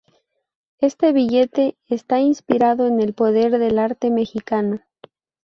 Este billete está inspirado en el poder del arte mexicano.